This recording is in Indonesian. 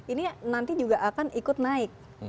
ini nanti juga akan ikut naik